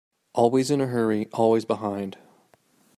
Always in a hurry, always behind.